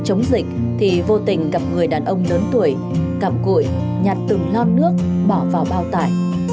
chống dịch thì vô tình gặp người đàn ông lớn tuổi cặm cụi nhặt từng lon nước bỏ vào bao tải